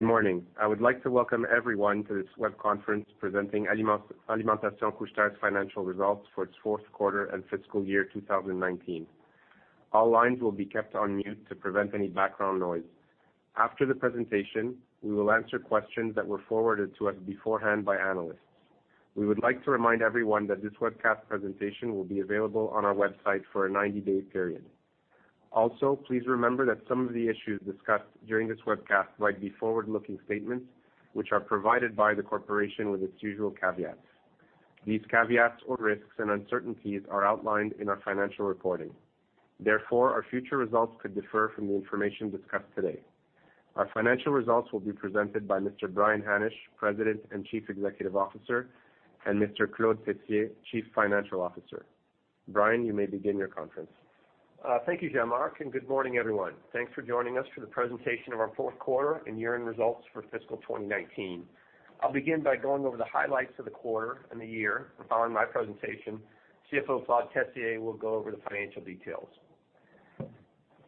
Good morning. I would like to welcome everyone to this web conference presenting Alimentation Couche-Tard's financial results for its fourth quarter and fiscal year 2019. All lines will be kept on mute to prevent any background noise. After the presentation, we will answer questions that were forwarded to us beforehand by analysts. We would like to remind everyone that this webcast presentation will be available on our website for a 90-day period. Please remember that some of the issues discussed during this webcast might be forward-looking statements which are provided by the corporation with its usual caveats. These caveats or risks and uncertainties are outlined in our financial reporting. Our future results could differ from the information discussed today. Our financial results will be presented by Mr. Brian Hannasch, President and Chief Executive Officer, and Mr. Claude Tessier, Chief Financial Officer. Brian, you may begin your conference. Thank you, Jean-Marc. Good morning, everyone. Thanks for joining us for the presentation of our fourth quarter and year-end results for fiscal 2019. I'll begin by going over the highlights of the quarter and the year. Following my presentation, CFO Claude Tessier will go over the financial details.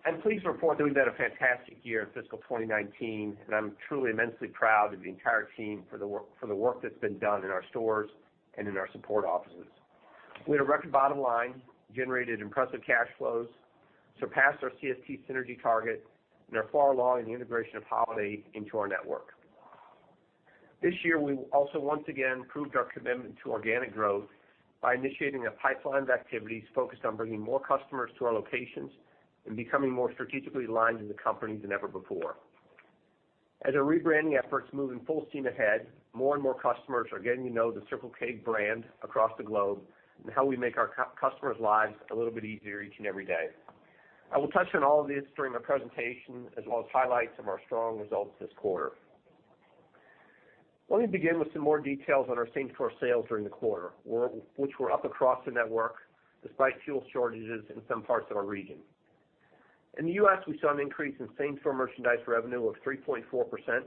I'm pleased to report that we've had a fantastic year in fiscal 2019, and I'm truly immensely proud of the entire team for the work that's been done in our stores and in our support offices. We had a record bottom line, generated impressive cash flows, surpassed our CST synergy target, and are far along in the integration of Holiday into our network. This year, we also once again proved our commitment to organic growth by initiating a pipeline of activities focused on bringing more customers to our locations and becoming more strategically aligned as a company than ever before. As our rebranding efforts move in full steam ahead, more and more customers are getting to know the Circle K brand across the globe and how we make our customers' lives a little bit easier each and every day. I will touch on all of this during my presentation, as well as highlights of our strong results this quarter. Let me begin with some more details on our same-store sales during the quarter, which were up across the network despite fuel shortages in some parts of our region. In the U.S., we saw an increase in same-store merchandise revenue of 3.4%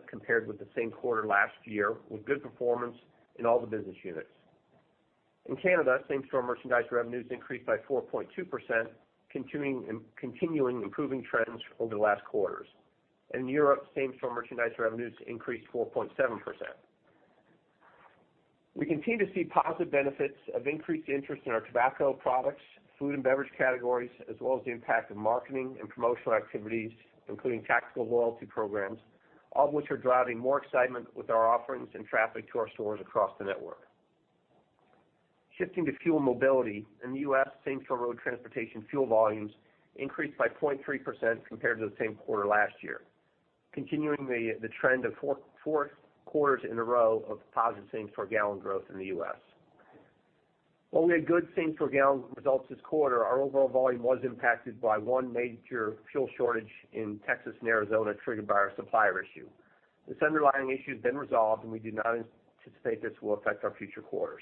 compared with the same quarter last year, with good performance in all the business units. In Canada, same-store merchandise revenues increased by 4.2%, continuing improving trends over the last quarters. In Europe, same-store merchandise revenues increased 4.7%. We continue to see positive benefits of increased interest in our tobacco products, food and beverage categories, as well as the impact of marketing and promotional activities, including tactical loyalty programs, all of which are driving more excitement with our offerings and traffic to our stores across the network. Shifting to fuel mobility, in the U.S., same-store road transportation fuel volumes increased by 0.3% compared to the same quarter last year, continuing the trend of four quarters in a row of positive same-store gallon growth in the U.S. While we had good same-store gallon results this quarter, our overall volume was impacted by one major fuel shortage in Texas and Arizona triggered by our supplier issue. This underlying issue has been resolved, and we do not anticipate this will affect our future quarters.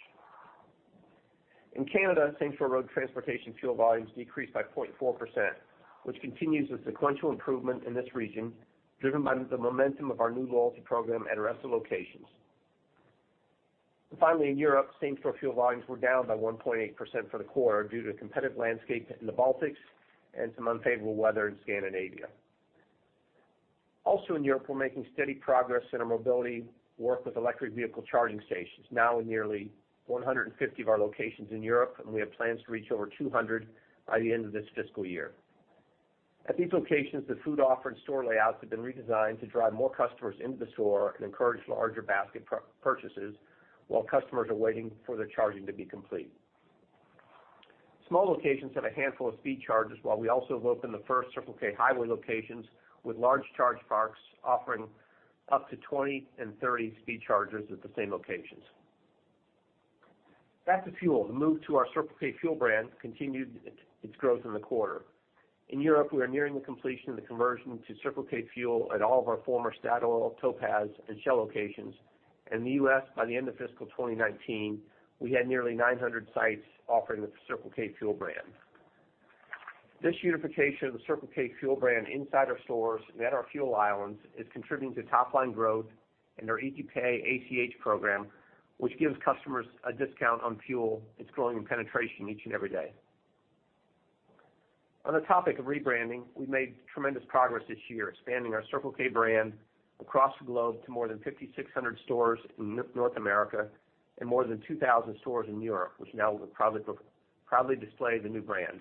In Canada, same-store road transportation fuel volumes decreased by 0.4%, which continues the sequential improvement in this region, driven by the momentum of our new loyalty program at our Esso locations. Finally, in Europe, same-store fuel volumes were down by 1.8% for the quarter due to a competitive landscape in the Baltics and some unfavorable weather in Scandinavia. Also in Europe, we are making steady progress in our mobility work with electric vehicle charging stations, now in nearly 150 of our locations in Europe, and we have plans to reach over 200 by the end of this fiscal year. At these locations, the food offer and store layouts have been redesigned to drive more customers into the store and encourage larger basket purchases while customers are waiting for their charging to be complete. Small locations have a handful of speed chargers, while we also have opened the first Circle K highway locations with large charge parks offering up to 20 and 30 speed chargers at the same locations. Back to fuel. The move to our Circle K fuel brand continued its growth in the quarter. In Europe, we are nearing the completion of the conversion to Circle K fuel at all of our former Statoil, Topaz, and Shell locations. In the U.S., by the end of fiscal 2019, we had nearly 900 sites offering the Circle K fuel brand. This unification of the Circle K fuel brand inside our stores and at our fuel islands is contributing to top-line growth in our Easy Pay ACH program, which gives customers a discount on fuel. It's growing in penetration each and every day. On the topic of rebranding, we made tremendous progress this year, expanding our Circle K brand across the globe to more than 5,600 stores in North America and more than 2,000 stores in Europe, which now proudly display the new brand.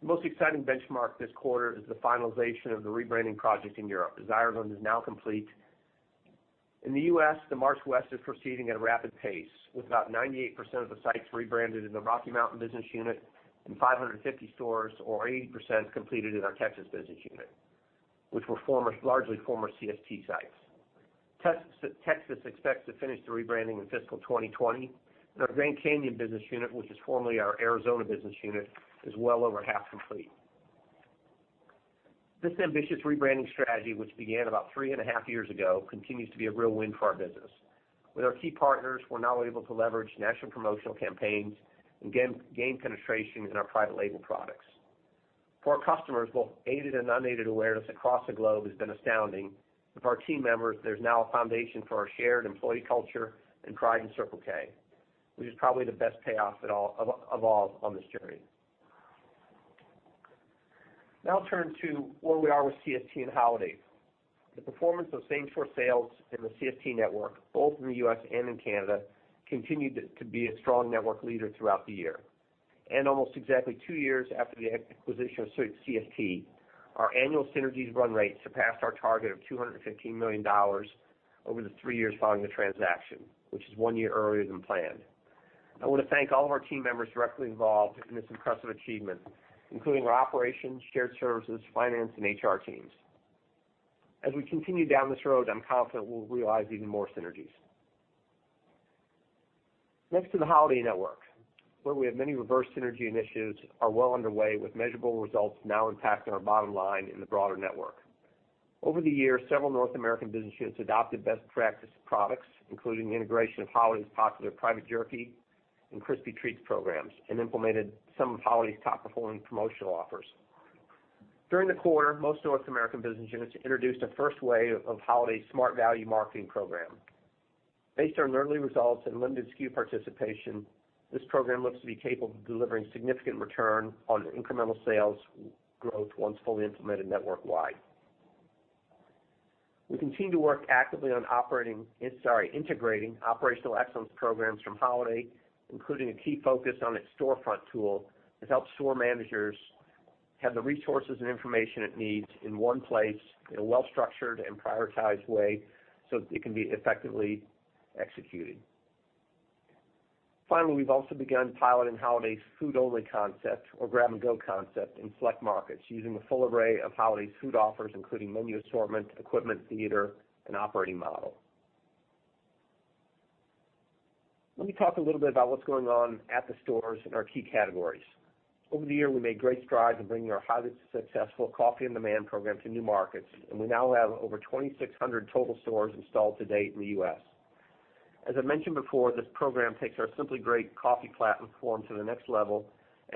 The most exciting benchmark this quarter is the finalization of the rebranding project in Europe, as Ireland is now complete. In the U.S., the march west is proceeding at a rapid pace, with about 98% of the sites rebranded in the Rocky Mountain business unit and 550 stores or 80% completed in our Texas business unit, which were largely former CST sites. Texas expects to finish the rebranding in fiscal 2020, and our Grand Canyon business unit, which was formerly our Arizona business unit, is well over half complete. This ambitious rebranding strategy, which began about three and a half years ago, continues to be a real win for our business. With our key partners, we're now able to leverage national promotional campaigns and gain penetration in our private label products. For our customers, both aided and unaided awareness across the globe has been astounding. With our team members, there's now a foundation for our shared employee culture and pride in Circle K, which is probably the best payoff of all on this journey. Now I'll turn to where we are with CST and Holiday. The performance of same store sales in the CST network, both in the U.S. and in Canada, continued to be a strong network leader throughout the year. Almost exactly two years after the acquisition of CST, our annual synergies run rate surpassed our target of 215 million dollars over the three years following the transaction, which is one year earlier than planned. I want to thank all of our team members directly involved in this impressive achievement, including our operations, shared services, finance, and HR teams. As we continue down this road, I'm confident we'll realize even more synergies. Next to the Holiday network, where we have many reverse synergy initiatives are well underway with measurable results now impacting our bottom line in the broader network. Over the years, several North American business units adopted best practice products, including the integration of Holiday's popular private jerky and crispy treats programs, and implemented some of Holiday's top-performing promotional offers. During the quarter, most North American business units introduced a first wave of Holiday's Smart Value Marketing Program. Based on early results and limited SKU participation, this program looks to be capable of delivering significant return on incremental sales growth once fully implemented network-wide. We continue to work actively on integrating operational excellence programs from Holiday, including a key focus on its storefront tool that helps store managers have the resources and information it needs in one place, in a well-structured and prioritized way, so it can be effectively executed. Finally, we've also begun piloting Holiday's food-only concept or grab-and-go concept in select markets using the full array of Holiday's food offers, including menu assortment, equipment, theater, and operating model. Let me talk a little bit about what's going on at the stores in our key categories. Over the year, we made great strides in bringing our highly successful Coffee on Demand Program to new markets, and we now have over 2,600 total stores installed to date in the U.S. As I mentioned before, this program takes our Simply Great Coffee platform to the next level,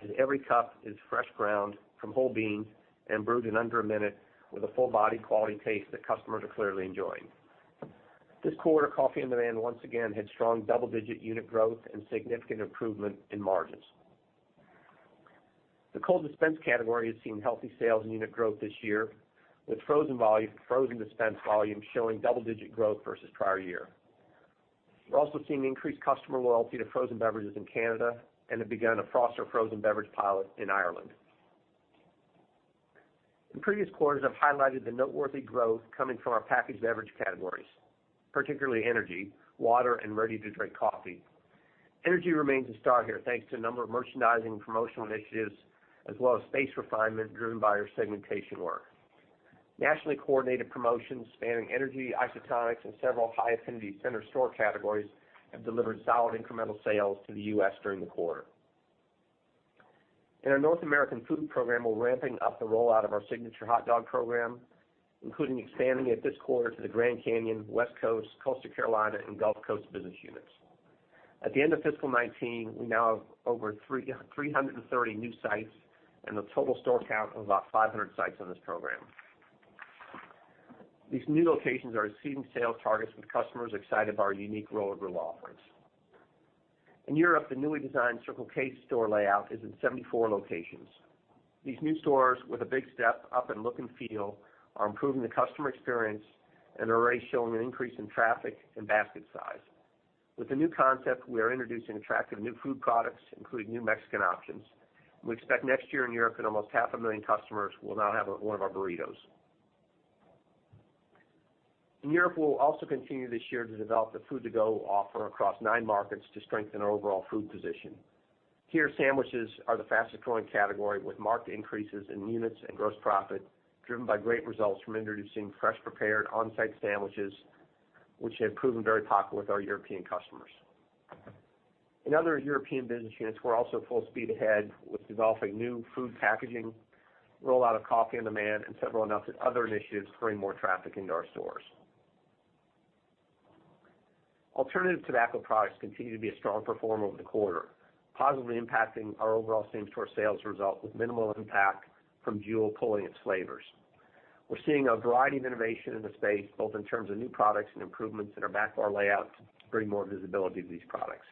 as every cup is fresh ground from whole beans and brewed in under one minute with a full body quality taste that customers are clearly enjoying. This quarter, Coffee on Demand once again had strong double-digit unit growth and significant improvement in margins. The cold dispense category has seen healthy sales and unit growth this year, with frozen dispense volume showing double-digit growth versus prior year. We're also seeing increased customer loyalty to frozen beverages in Canada and have begun a Froster frozen beverage pilot in Ireland. In previous quarters, I've highlighted the noteworthy growth coming from our packaged beverage categories, particularly energy, water, and ready-to-drink coffee. Energy remains a star here, thanks to a number of merchandising promotional initiatives as well as space refinement driven by our segmentation work. Nationally coordinated promotions spanning energy, isotonics, and several high-affinity center store categories have delivered solid incremental sales to the U.S. during the quarter. In our North American Food Program, we're ramping up the rollout of our Signature Hot Dog Program, including expanding it this quarter to the Grand Canyon, West Coast, Coastal Carolina, and Gulf Coast business units. At the end of fiscal 2019, we now have over 330 new sites and a total store count of about 500 sites on this program. These new locations are exceeding sales targets with customers excited by our unique Roll-to-Grill offerings. In Europe, the newly designed Circle K store layout is in 74 locations. These new stores with a big step up in look and feel are improving the customer experience and are already showing an increase in traffic and basket size. With the new concept, we are introducing attractive new food products, including new Mexican options. We expect next year in Europe that almost half a million customers will now have one of our burritos. In Europe, we will also continue this year to develop the food to go offer across nine markets to strengthen our overall food position. Here, sandwiches are the fastest growing category, with marked increases in units and gross profit, driven by great results from introducing fresh, prepared on-site sandwiches, which have proven very popular with our European customers. In other European business units, we're also full speed ahead with developing new food packaging, rollout of Coffee on Demand, and several announced other initiatives to bring more traffic into our stores. Alternative tobacco products continue to be a strong performer over the quarter, positively impacting our overall same store sales result with minimal impact from Juul pulling its flavors. We're seeing a variety of innovation in the space, both in terms of new products and improvements in our back bar layout to bring more visibility to these products.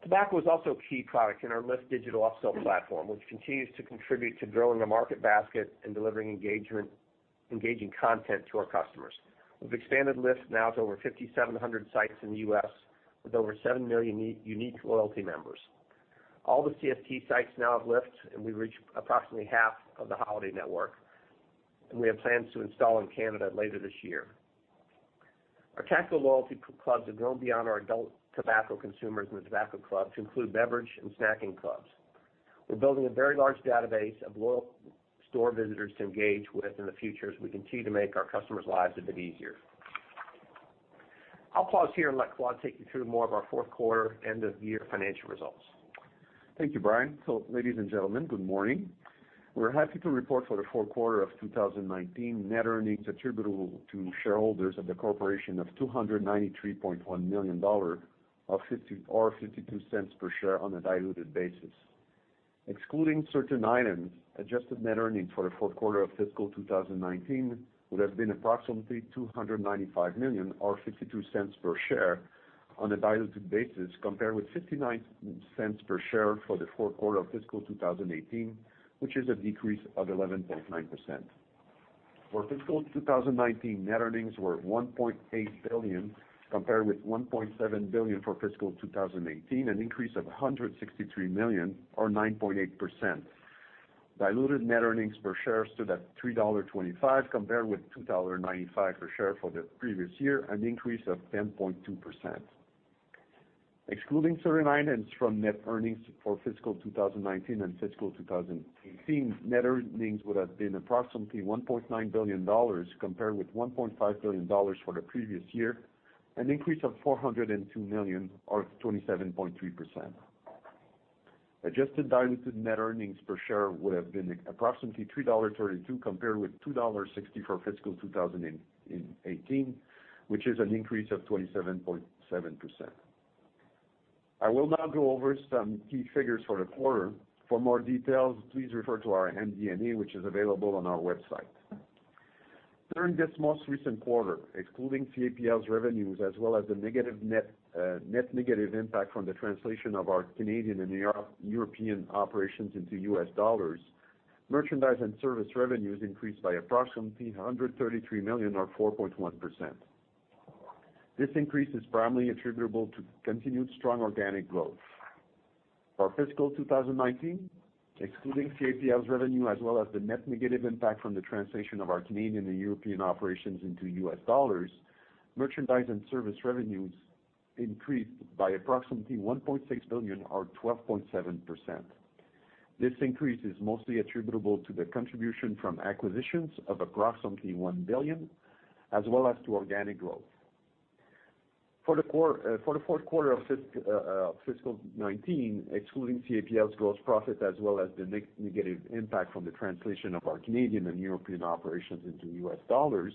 Tobacco is also a key product in our Lift digital upsell platform, which continues to contribute to growing the market basket and delivering engaging content to our customers. We've expanded Lift now to over 5,700 sites in the U.S., with over seven million unique loyalty members. All the CST sites now have Lift, and we reach approximately half of the Holiday network. And we have plans to install in Canada later this year. Our tactical loyalty clubs have grown beyond our adult tobacco consumers in the tobacco club to include beverage and snacking clubs. We're building a very large database of loyal store visitors to engage with in the future as we continue to make our customers' lives a bit easier. I'll pause here and let Claude take you through more of our fourth quarter end-of-year financial results. Thank you, Brian. Ladies and gentlemen, good morning. We're happy to report for the fourth quarter of 2019 net earnings attributable to shareholders of the corporation of 293.1 million dollar or 0.52 per share on a diluted basis. Excluding certain items, adjusted net earnings for the fourth quarter of fiscal 2019 would have been approximately 295 million or 0.52 per share on a diluted basis, compared with 0.59 per share for the fourth quarter of fiscal 2018, which is a decrease of 11.9%. For fiscal 2019, net earnings were 1.8 billion, compared with 1.7 billion for fiscal 2018, an increase of 163 million, or 9.8%. Diluted net earnings per share stood at 3.25 dollar, compared with 2.95 dollar per share for the previous year, an increase of 10.2%. Excluding certain items from net earnings for fiscal 2019 and fiscal 2018, net earnings would have been approximately $1.9 billion, compared with $1.5 billion for the previous year, an increase of $402 million, or 27.3%. Adjusted diluted net earnings per share would have been approximately $3.32, compared with $2.60 for fiscal 2018, which is an increase of 27.7%. I will now go over some key figures for the quarter. For more details, please refer to our MD&A, which is available on our website. During this most recent quarter, excluding CAPL's revenues as well as the net negative impact from the translation of our Canadian and European operations into U.S. dollars, merchandise and service revenues increased by approximately $133 million, or 4.1%. This increase is primarily attributable to continued strong organic growth. For fiscal 2019, excluding CAPL's revenue, as well as the net negative impact from the translation of our Canadian and European operations into U.S. dollars, merchandise and service revenues increased by approximately $1.6 billion, or 12.7%. This increase is mostly attributable to the contribution from acquisitions of approximately $1 billion, as well as to organic growth. For the fourth quarter of fiscal 2019, excluding CAPL's gross profit, as well as the net negative impact from the translation of our Canadian and European operations into U.S. dollars,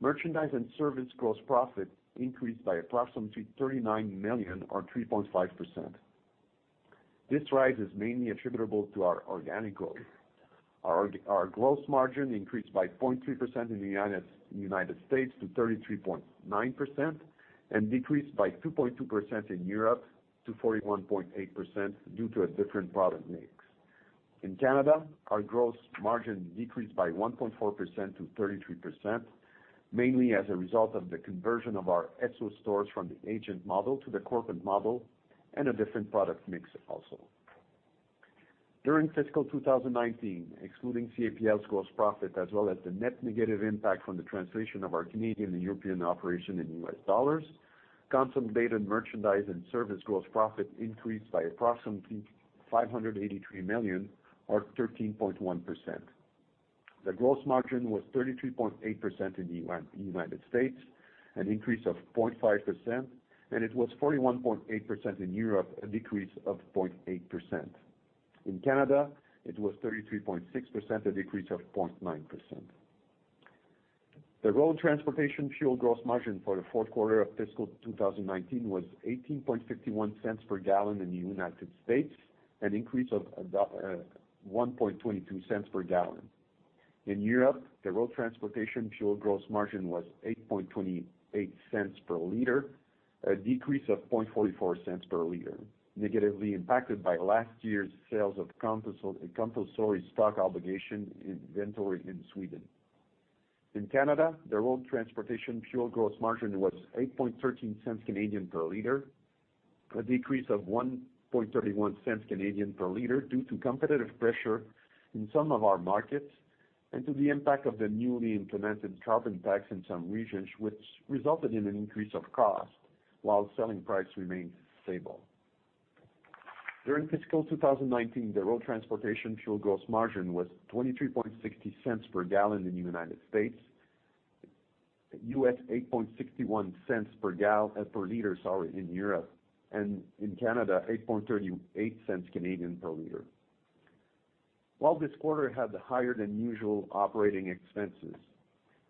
merchandise and service gross profit increased by approximately $39 million, or 3.5%. This rise is mainly attributable to our organic growth. Our gross margin increased by 0.3% in the U.S. to 33.9%, and decreased by 2.2% in Europe to 41.8%, due to a different product mix. In Canada, our gross margin decreased by 1.4% to 33%, mainly as a result of the conversion of our Esso stores from the agent model to the corporate model, and a different product mix also. During fiscal 2019, excluding CAPL's gross profit as well as the net negative impact from the translation of our Canadian and European operation in U.S. dollars, consolidated merchandise and service gross profit increased by approximately $583 million, or 13.1%. The gross margin was 33.8% in the U.S., an increase of 0.5%, and it was 41.8% in Europe, a decrease of 0.8%. In Canada, it was 33.6%, a decrease of 0.9%. The road transportation fuel gross margin for the fourth quarter of fiscal 2019 was $0.1851 per gallon in the U.S., an increase of $0.0122 per gallon. In Europe, the road transportation fuel gross margin was $0.0828 per liter, a decrease of $0.0044 per liter, negatively impacted by last year's sales of compulsory stock obligation inventory in Sweden. In Canada, the road transportation fuel gross margin was 0.0813 per liter, a decrease of 0.0131 per liter due to competitive pressure in some of our markets and to the impact of the newly implemented carbon tax in some regions, which resulted in an increase of cost while selling price remained stable. During fiscal 2019, the road transportation fuel gross margin was $0.2360 per gallon in the U.S., U.S. $0.0861 per liter in Europe, and in Canada, 0.0838 per liter. While this quarter had higher-than-usual operating expenses,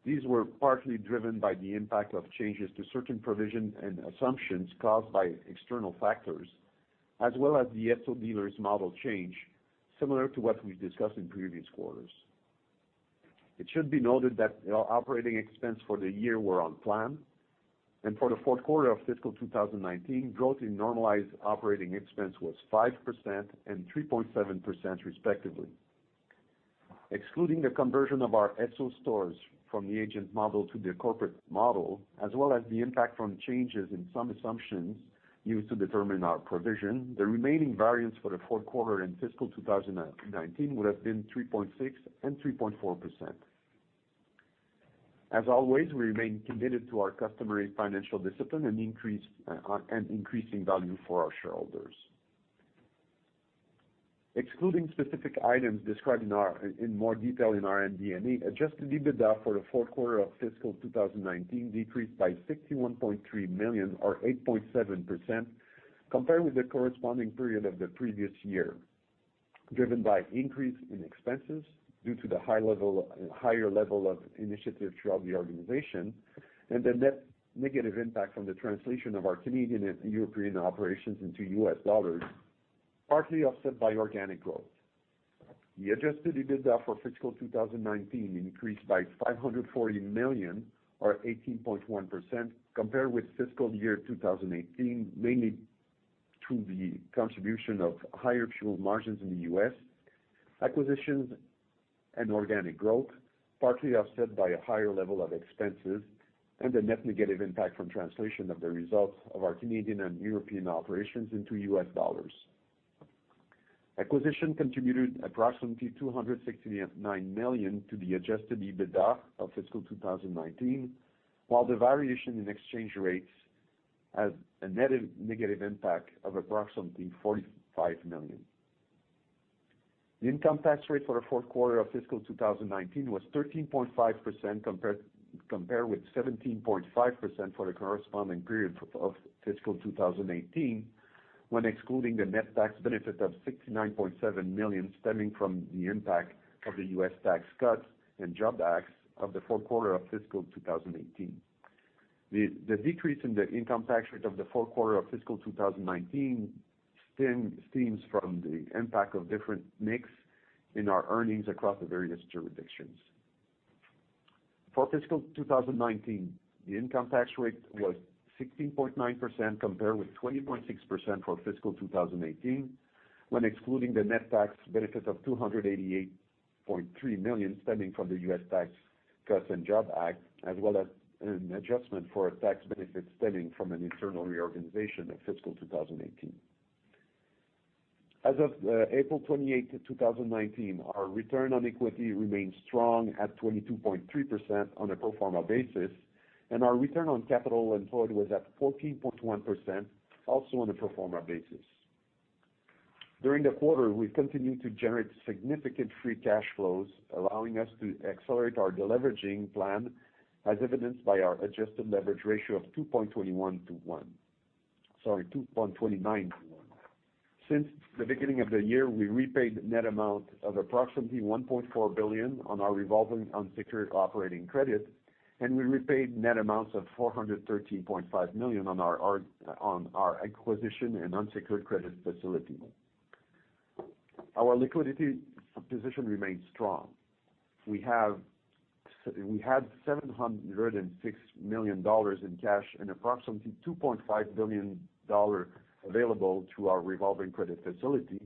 these were partly driven by the impact of changes to certain provisions and assumptions caused by external factors, as well as the Esso dealer's model change, similar to what we've discussed in previous quarters. It should be noted that our operating expense for the year were on plan, and for the fourth quarter of fiscal 2019, growth in normalized operating expense was 5% and 3.7% respectively. Excluding the conversion of our Esso stores from the agent model to the corporate model, as well as the impact from changes in some assumptions used to determine our provision, the remaining variance for the fourth quarter in fiscal 2019 would have been 3.6% and 3.4%. As always, we remain committed to our customary financial discipline and increasing value for our shareholders. Excluding specific items described in more detail in our MD&A, adjusted EBITDA for the fourth quarter of fiscal 2019 decreased by $61.3 million, or 8.7%, compared with the corresponding period of the previous year, driven by increase in expenses due to the higher level of initiatives throughout the organization and the net negative impact from the translation of our Canadian and European operations into U.S. dollars, partly offset by organic growth. The adjusted EBITDA for fiscal 2019 increased by $540 million, or 18.1%, compared with fiscal year 2018, mainly to the contribution of higher fuel margins in the U.S., acquisitions and organic growth, partly offset by a higher level of expenses and a net negative impact from translation of the results of our Canadian and European operations into U.S. dollars. Acquisition contributed approximately $269 million to the adjusted EBITDA of fiscal 2019, while the variation in exchange rates has a net negative impact of approximately $45 million. The income tax rate for the fourth quarter of fiscal 2019 was 13.5% compared with 17.5% for the corresponding period of fiscal 2018, when excluding the net tax benefit of $69.7 million stemming from the impact of the U.S. Tax Cuts and Jobs Act of the fourth quarter of fiscal 2018. The decrease in the income tax rate of the fourth quarter of fiscal 2019 stems from the impact of different mix in our earnings across the various jurisdictions. For fiscal 2019, the income tax rate was 16.9% compared with 20.6% for fiscal 2018, when excluding the net tax benefit of $288.3 million stemming from the U.S. Tax Cuts and Jobs Act, as well as an adjustment for a tax benefit stemming from an internal reorganization in fiscal 2018. As of April 28th, 2019, our return on equity remains strong at 22.3% on a pro forma basis, and our return on capital employed was at 14.1%, also on a pro forma basis. During the quarter, we've continued to generate significant free cash flows, allowing us to accelerate our de-leveraging plan, as evidenced by our adjusted leverage ratio of 2.21 to one. Sorry, 2.29 to one. Since the beginning of the year, we repaid net amount of approximately 1.4 billion on our revolving unsecured operating credit. We repaid net amounts of 413.5 million on our acquisition and unsecured credit facility. Our liquidity position remains strong. We had 706 million dollars in cash and approximately 2.5 billion dollars available through our revolving credit facility,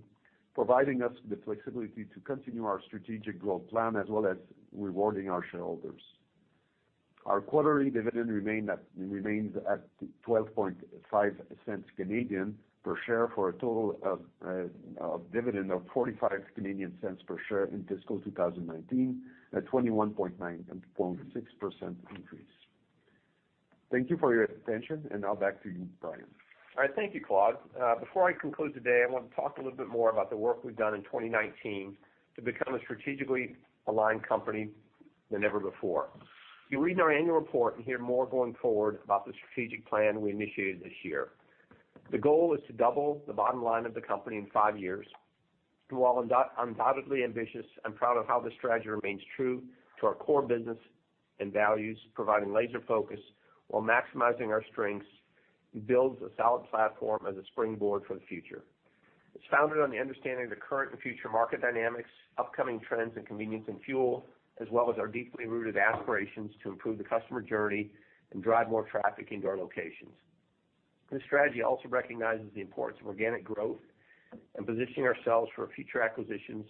providing us the flexibility to continue our strategic growth plan as well as rewarding our shareholders. Our quarterly dividend remains at 0.125 per share for a total dividend of 0.45 per share in fiscal 2019, a 21.6% increase. Thank you for your attention. Now back to you, Brian. All right. Thank you, Claude. Before I conclude today, I want to talk a little bit more about the work we've done in 2019 to become a strategically aligned company than ever before. You'll read in our annual report and hear more going forward about the strategic plan we initiated this year. The goal is to double the bottom line of the company in five years. While undoubtedly ambitious, I'm proud of how the strategy remains true to our core business and values, providing laser focus while maximizing our strengths and builds a solid platform as a springboard for the future. It's founded on the understanding of the current and future market dynamics, upcoming trends in convenience and fuel, as well as our deeply rooted aspirations to improve the customer journey and drive more traffic into our locations. This strategy also recognizes the importance of organic growth and positioning ourselves for future acquisitions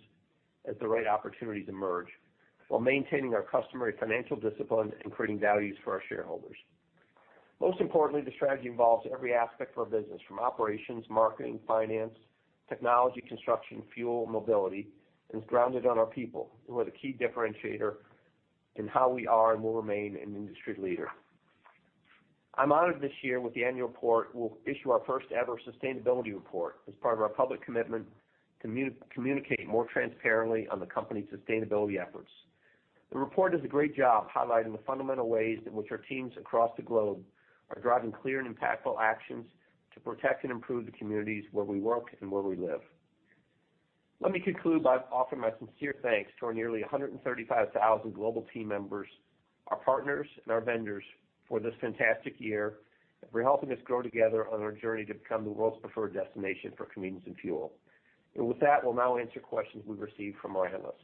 as the right opportunities emerge, while maintaining our customary financial discipline and creating values for our shareholders. Most importantly, the strategy involves every aspect of our business, from operations, marketing, finance, technology, construction, fuel, mobility, and is grounded on our people, who are the key differentiator in how we are and will remain an industry leader. I'm honored this year with the annual report we'll issue our first ever sustainability report as part of our public commitment to communicate more transparently on the company's sustainability efforts. The report does a great job highlighting the fundamental ways in which our teams across the globe are driving clear and impactful actions to protect and improve the communities where we work and where we live. Let me conclude by offering my sincere thanks to our nearly 135,000 global team members, our partners, and our vendors for this fantastic year for helping us grow together on our journey to become the world's preferred destination for convenience and fuel. With that, we'll now answer questions we've received from our analysts.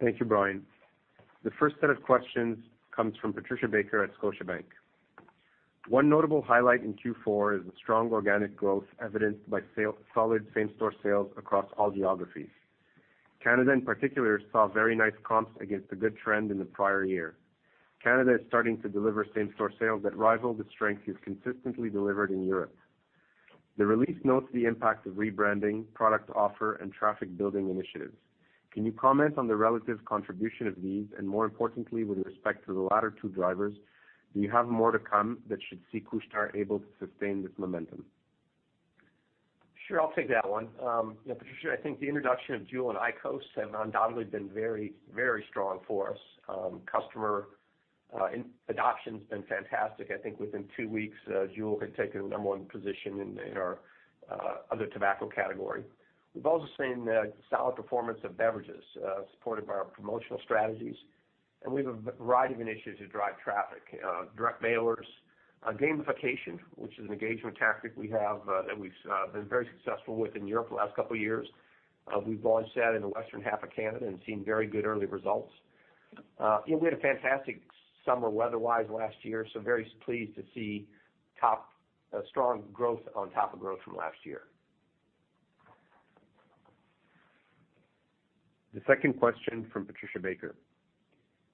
Thank you, Brian. The first set of questions comes from Patricia Baker at Scotiabank. One notable highlight in Q4 is the strong organic growth evidenced by solid same store sales across all geographies. Canada, in particular, saw very nice comps against a good trend in the prior year. Canada is starting to deliver same store sales that rival the strength you've consistently delivered in Europe. The release notes the impact of rebranding, product offer, and traffic-building initiatives. Can you comment on the relative contribution of these, and more importantly, with respect to the latter two drivers, do you have more to come that should see Couche-Tard able to sustain this momentum? Sure. I'll take that one. Yeah, Patricia, I think the introduction of JUUL and IQOS have undoubtedly been very strong for us. Customer adoption's been fantastic. I think within two weeks, JUUL had taken the number one position in our other tobacco category. We've also seen solid performance of beverages, supported by our promotional strategies, and we have a variety of initiatives that drive traffic. Direct mailers. Gamification, which is an engagement tactic we have that we've been very successful with in Europe for the last couple of years. We've launched that in the western half of Canada and seen very good early results. We had a fantastic summer weather-wise last year, so very pleased to see strong growth on top of growth from last year. The second question from Patricia Baker.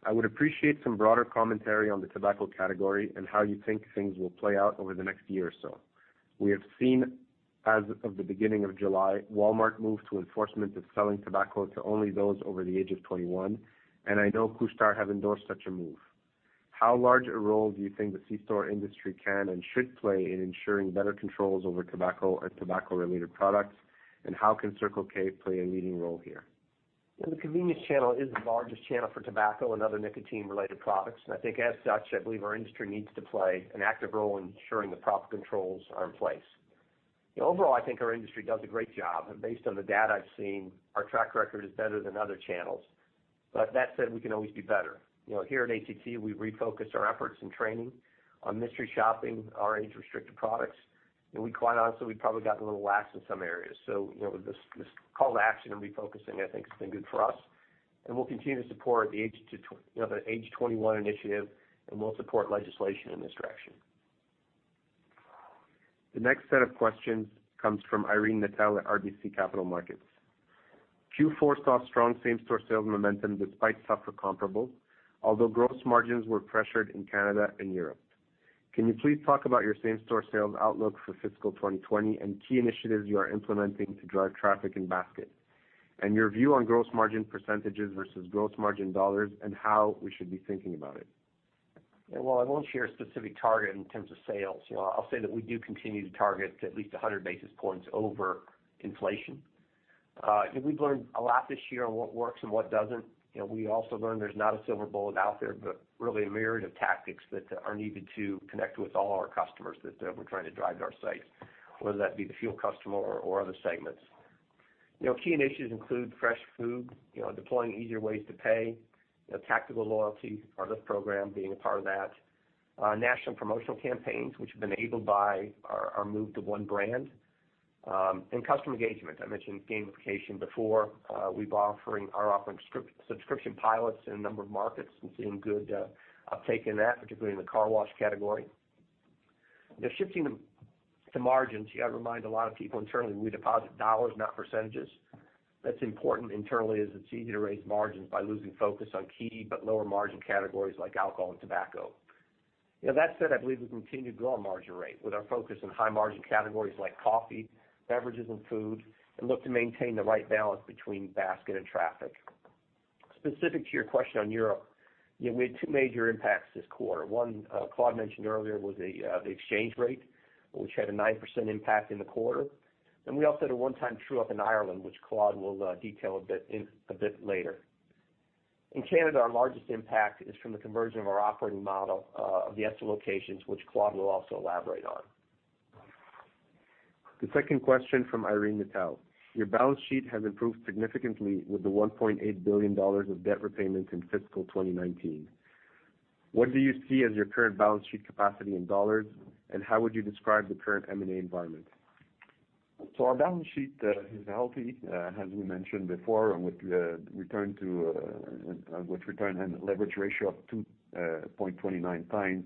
I would appreciate some broader commentary on the tobacco category and how you think things will play out over the next year or so. We have seen, as of the beginning of July, Walmart move to enforcement of selling tobacco to only those over the Age 21, and I know Couche-Tard have endorsed such a move. How large a role do you think the c-store industry can and should play in ensuring better controls over tobacco and tobacco-related products? How can Circle K play a leading role here? The convenience channel is the largest channel for tobacco and other nicotine-related products. I think as such, I believe our industry needs to play an active role in ensuring the proper controls are in place. Overall, I think our industry does a great job, and based on the data I've seen, our track record is better than other channels. That said, we can always do better. Here at ACT, we refocused our efforts and training on mystery shopping our age-restricted products. Quite honestly, we probably got a little lax in some areas. This call to action and refocusing, I think, has been good for us, and we'll continue to support the Age 21 initiative, and we'll support legislation in this direction. The next set of questions comes from Irene Nattel at RBC Capital Markets. Q4 saw strong same-store sales momentum despite tougher comparables, although gross margins were pressured in Canada and Europe. Can you please talk about your same-store sales outlook for fiscal 2020 and key initiatives you are implementing to drive traffic and basket? Your view on gross margin percentages versus gross margin dollars, and how we should be thinking about it. Well, I won't share a specific target in terms of sales. I'll say that we do continue to target at least 100 basis points over inflation. We've learned a lot this year on what works and what doesn't. We also learned there's not a silver bullet out there, but really a myriad of tactics that are needed to connect with all our customers that we're trying to drive to our sites, whether that be the fuel customer or other segments. Key initiatives include fresh food, deploying easier ways to pay, tactical loyalty, our Lift program being a part of that, national promotional campaigns, which have been enabled by our move to one brand, and customer engagement. I mentioned gamification before. We are offering subscription pilots in a number of markets and seeing good uptake in that, particularly in the car wash category. Shifting to margins, I remind a lot of people internally, we deposit dollars, not percentages. That's important internally, as it's easy to raise margins by losing focus on key but lower-margin categories like alcohol and tobacco. That said, I believe we can continue to grow our margin rate with our focus on high-margin categories like coffee, beverages, and food, and look to maintain the right balance between basket and traffic. Specific to your question on Europe, we had two major impacts this quarter. One, Claude mentioned earlier, was the exchange rate, which had a 9% impact in the quarter. We also had a one-time true-up in Ireland, which Claude will detail a bit later. In Canada, our largest impact is from the conversion of our operating model of the Esso locations, which Claude will also elaborate on. The second question from Irene Nattel. Your balance sheet has improved significantly with the 1.8 billion dollars of debt repayments in fiscal 2019. What do you see as your current balance sheet capacity in dollars, and how would you describe the current M&A environment? Our balance sheet is healthy as we mentioned before, with return and leverage ratio of 2.29 times,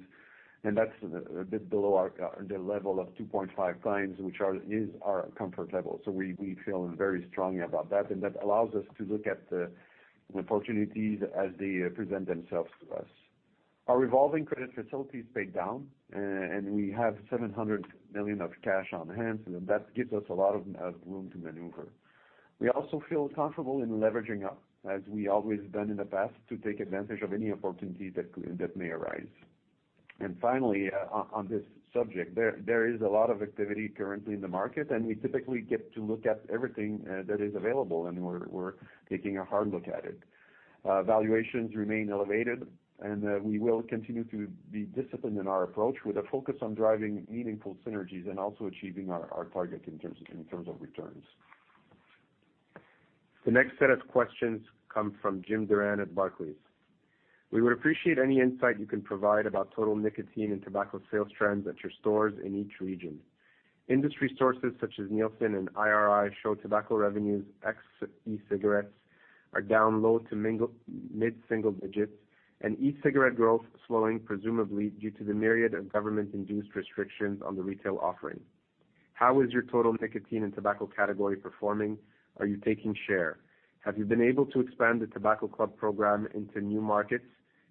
that's a bit below the level of 2.5 times, which is our comfort level. We feel very strongly about that allows us to look at the opportunities as they present themselves to us. Our revolving credit facility is paid down, we have 700 million of cash on hand, that gives us a lot of room to maneuver. We also feel comfortable in leveraging up, as we always done in the past, to take advantage of any opportunity that may arise. Finally, on this subject, there is a lot of activity currently in the market, we typically get to look at everything that is available, we're taking a hard look at it. Valuations remain elevated, we will continue to be disciplined in our approach with a focus on driving meaningful synergies also achieving our target in terms of returns. The next set of questions come from Jim Duran at Barclays. We would appreciate any insight you can provide about total nicotine and tobacco sales trends at your stores in each region. Industry sources such as Nielsen and IRI show tobacco revenues ex e-cigarettes are down low to mid-single digits and e-cigarette growth slowing, presumably due to the myriad of government-induced restrictions on the retail offering. How is your total nicotine and tobacco category performing? Are you taking share? Have you been able to expand the Tobacco Club program into new markets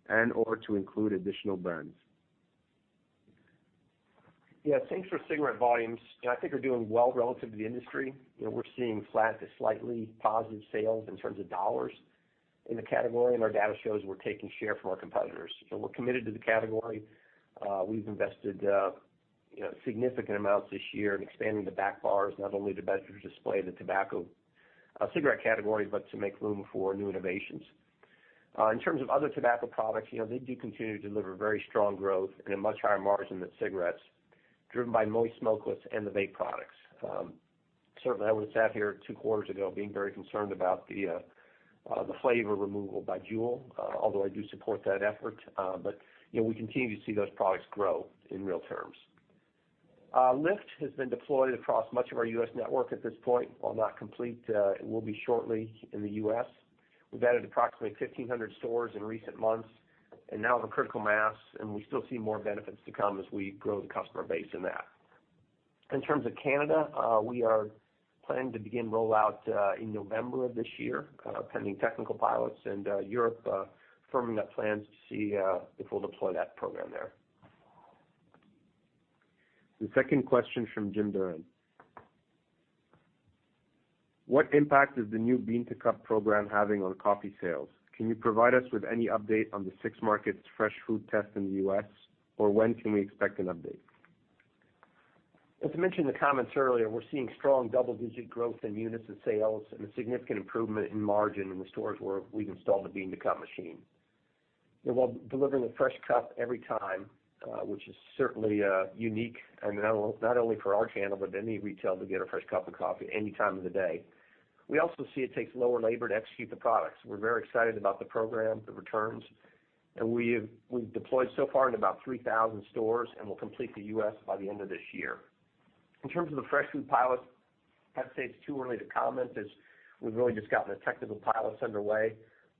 and/or to include additional brands? Thanks for cigarette volumes. I think we're doing well relative to the industry. We're seeing flat to slightly positive sales in terms of dollars in the category, our data shows we're taking share from our competitors. We're committed to the category. We've invested significant amounts this year in expanding the back bars, not only to better display the tobacco cigarette category but to make room for new innovations. In terms of other tobacco products, they do continue to deliver very strong growth and a much higher margin than cigarettes, driven by moist smokeless and the vape products. Certainly, I would have sat here two quarters ago being very concerned about the flavor removal by Juul, although I do support that effort. We continue to see those products grow in real terms. LIFT has been deployed across much of our U.S. network at this point. While not complete, it will be shortly in the U.S. We've added approximately 1,500 stores in recent months, and now have a critical mass, and we still see more benefits to come as we grow the customer base in that. In terms of Canada, we are planning to begin rollout in November of this year, pending technical pilots. Europe, firming up plans to see if we'll deploy that program there. The second question from Jim Duran: What impact is the new Bean to Cup program having on coffee sales? Can you provide us with any update on the six markets fresh food test in the U.S., or when can we expect an update? As I mentioned in the comments earlier, we're seeing strong double-digit growth in units and sales, and a significant improvement in margin in the stores where we've installed the Bean to Cup machine. While delivering a fresh cup every time, which is certainly unique, and not only for our channel, but any retail to get a fresh cup of coffee any time of the day. We also see it takes lower labor to execute the products. We're very excited about the program, the returns. We've deployed so far into about 3,000 stores, and we'll complete the U.S. by the end of this year. In terms of the fresh food pilot, I'd say it's too early to comment, as we've really just gotten the technical pilots underway.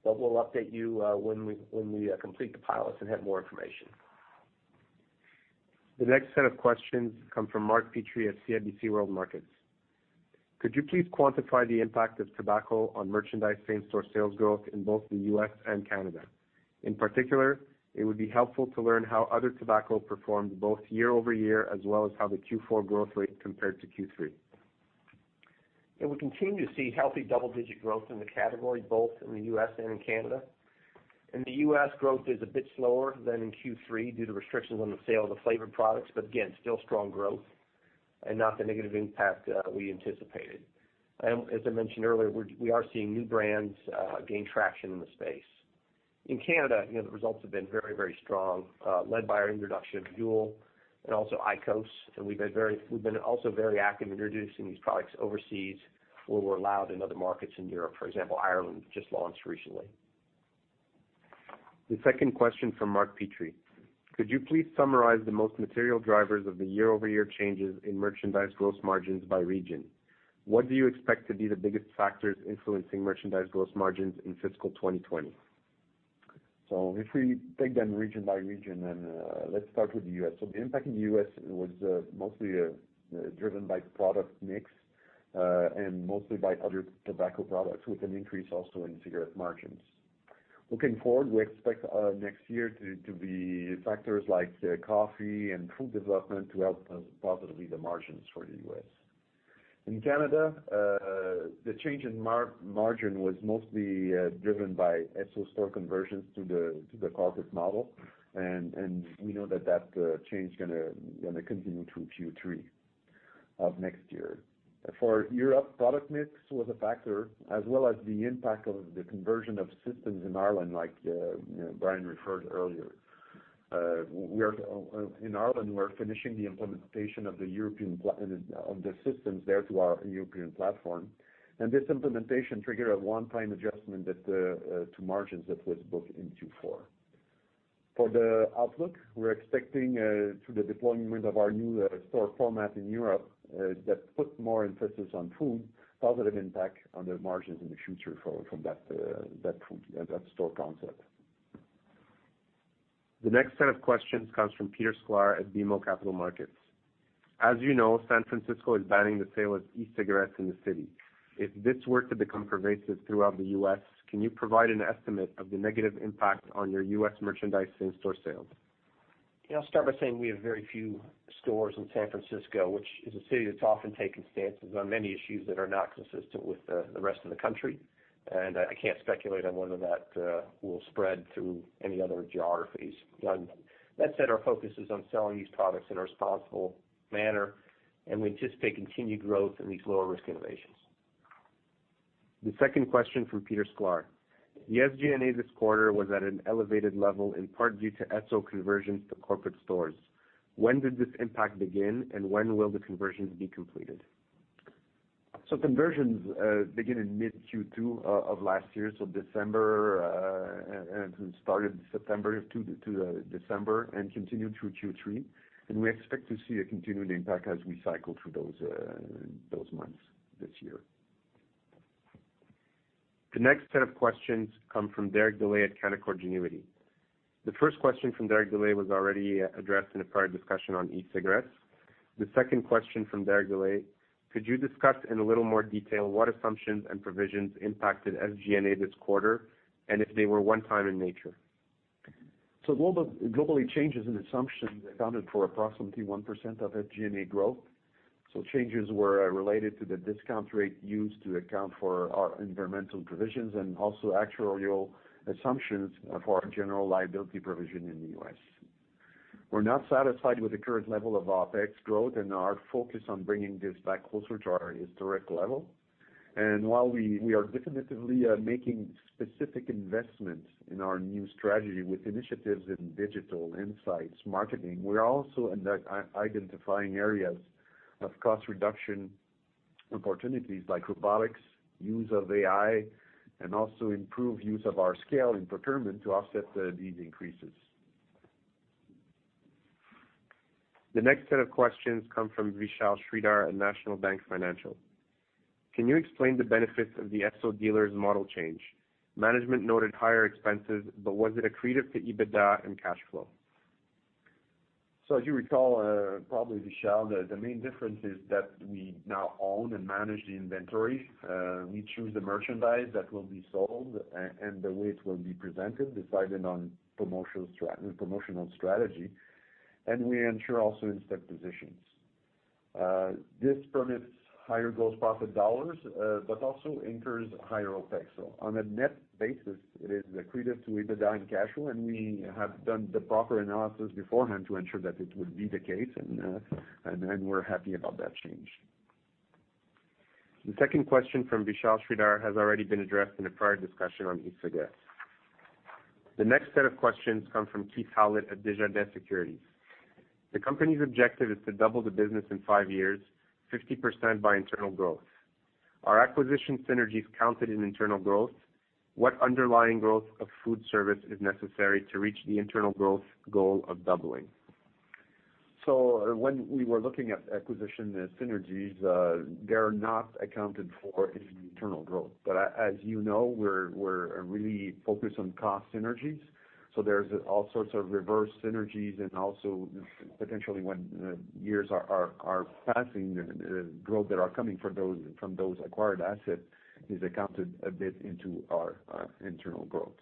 We'll update you when we complete the pilots and have more information. The next set of questions come from Mark Petrie at CIBC Capital Markets. Could you please quantify the impact of tobacco on merchandise same-store sales growth in both the U.S. and Canada? In particular, it would be helpful to learn how other tobacco performed both year-over-year, as well as how the Q4 growth rate compared to Q3. We continue to see healthy double-digit growth in the category, both in the U.S. and in Canada. In the U.S., growth is a bit slower than in Q3 due to restrictions on the sale of the flavored products. Again, still strong growth and not the negative impact we anticipated. As I mentioned earlier, we are seeing new brands gain traction in the space. In Canada, the results have been very strong, led by our introduction of Juul and also IQOS. We've been also very active introducing these products overseas, where we're allowed in other markets in Europe. For example, Ireland just launched recently. The second question from Mark Petrie. Could you please summarize the most material drivers of the year-over-year changes in merchandise gross margins by region? What do you expect to be the biggest factors influencing merchandise gross margins in fiscal 2020? If we take them region by region, and let's start with the U.S. The impact in the U.S. was mostly driven by product mix, and mostly by other tobacco products, with an increase also in cigarette margins. Looking forward, we expect next year to be factors like coffee and food development to help positively the margins for the U.S. In Canada, the change in margin was mostly driven by Esso store conversions to the corporate model, we know that change is gonna continue to Q3 of next year. For Europe, product mix was a factor, as well as the impact of the conversion of systems in Ireland, like Brian referred earlier. In Ireland, we're finishing the implementation of the systems there to our European platform. This implementation triggered a one-time adjustment to margins that was booked in Q4. For the outlook, we're expecting through the deployment of our new store format in Europe, that put more emphasis on food, positive impact on the margins in the future from that store concept. The next set of questions comes from Peter Sklar at BMO Capital Markets. As you know, San Francisco is banning the sale of e-cigarettes in the city. If this were to become pervasive throughout the U.S., can you provide an estimate of the negative impact on your U.S. merchandise same-store sales? I'll start by saying we have very few stores in San Francisco, which is a city that's often taken stances on many issues that are not consistent with the rest of the country. I can't speculate on whether that will spread to any other geographies. That said, our focus is on selling these products in a responsible manner, we anticipate continued growth in these lower-risk innovations. The second question from Peter Sklar. The SG&A this quarter was at an elevated level, in part due to Esso conversions to corporate stores. When did this impact begin, and when will the conversions be completed? Conversions begin in mid Q2 of last year. December, started September to December and continued through Q3. We expect to see a continuing impact as we cycle through those months this year. The next set of questions come from Derek Dley at Canaccord Genuity. The first question from Derek Dley was already addressed in a prior discussion on e-cigarettes. The second question from Derek Dley, could you discuss in a little more detail what assumptions and provisions impacted SG&A this quarter, and if they were one-time in nature? Globally, changes in assumptions accounted for approximately 1% of SG&A growth. Changes were related to the discount rate used to account for our environmental provisions and also actuarial assumptions for our general liability provision in the U.S. We're not satisfied with the current level of OpEx growth and are focused on bringing this back closer to our historic level. While we are definitively making specific investments in our new strategy with initiatives in digital, insights, marketing, we're also identifying areas of cost reduction opportunities like robotics, use of AI, and also improve use of our scale in procurement to offset these increases. The next set of questions come from Vishal Shreedhar at National Bank Financial. Can you explain the benefits of the Esso dealers model change? Management noted higher expenses, but was it accretive to EBITDA and cash flow? As you recall, probably, Vishal, the main difference is that we now own and manage the inventory. We choose the merchandise that will be sold and the way it will be presented, decided on promotional strategy, and we ensure also in-stock positions. This permits higher gross profit dollars, but also incurs higher OpEx. On a net basis, it is accretive to EBITDA and cash flow, and we have done the proper analysis beforehand to ensure that it would be the case, and we're happy about that change. The second question from Vishal Shreedhar has already been addressed in a prior discussion on ESG. The next set of questions come from Keith Howlett at Desjardins Securities. The company's objective is to double the business in five years, 50% by internal growth. Are acquisition synergies counted in internal growth? What underlying growth of food service is necessary to reach the internal growth goal of doubling? When we were looking at acquisition synergies, they are not accounted for in internal growth. As you know, we're really focused on cost synergies. There's all sorts of reverse synergies, and also potentially when years are passing, growth that are coming from those acquired asset is accounted a bit into our internal growth.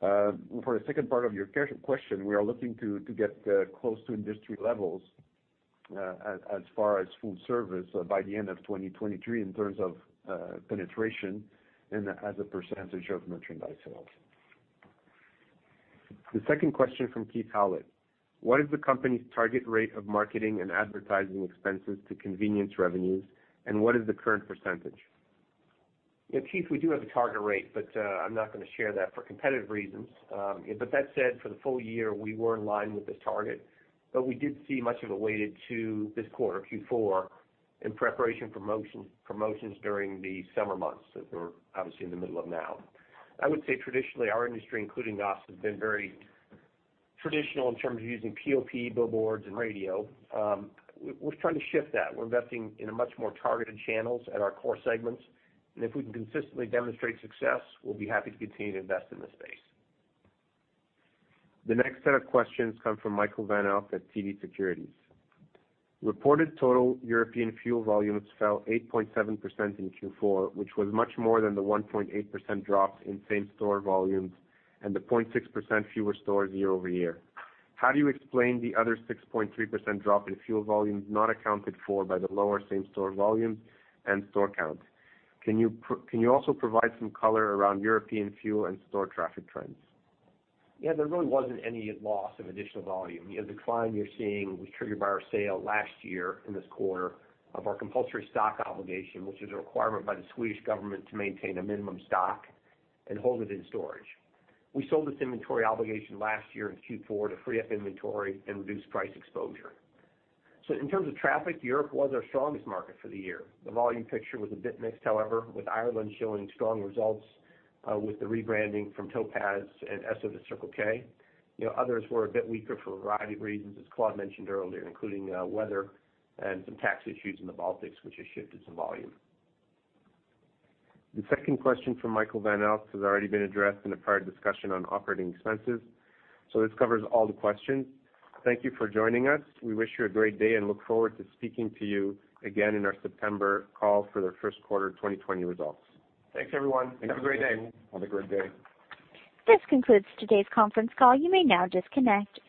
For the second part of your question, we are looking to get close to industry levels as far as food service by the end of 2023 in terms of penetration and as a percentage of merchandise sales. The second question from Keith Howlett: What is the company's target rate of marketing and advertising expenses to convenience revenues, and what is the current percentage? Yeah, Keith, we do have a target rate, I'm not going to share that for competitive reasons. That said, for the full year, we were in line with the target, we did see much of it weighted to this quarter, Q4, in preparation for promotions during the summer months that we're obviously in the middle of now. I would say traditionally, our industry, including us, has been very traditional in terms of using POP, billboards, and radio. We're trying to shift that. We're investing in a much more targeted channels at our core segments, and if we can consistently demonstrate success, we'll be happy to continue to invest in the space. The next set of questions come from Michael Van Aelst at TD Securities. Reported total European fuel volumes fell 8.7% in Q4, which was much more than the 1.8% drop in same-store volumes and the 0.6% fewer stores year-over-year. How do you explain the other 6.3% drop in fuel volumes not accounted for by the lower same-store volumes and store count? Can you also provide some color around European fuel and store traffic trends? Yeah, there really wasn't any loss of additional volume. The decline you're seeing was triggered by our sale last year in this Q4 of our compulsory stock obligation, which is a requirement by the Swedish government to maintain a minimum stock and hold it in storage. We sold this inventory obligation last year in Q4 to free up inventory and reduce price exposure. In terms of traffic, Europe was our strongest market for the year. The volume picture was a bit mixed, however, with Ireland showing strong results with the rebranding from Topaz and Esso to Circle K. Others were a bit weaker for a variety of reasons, as Claude mentioned earlier, including weather and some tax issues in the Baltics, which has shifted some volume. The second question from Michael Van Aelst has already been addressed in a prior discussion on operating expenses. So this covers all the questions. Thank you for joining us. We wish you a great day and look forward to speaking to you again in our September call for the first quarter 2020 results. Thanks, everyone. Have a great day. Thanks. Have a great day. This concludes today's conference call. You may now disconnect.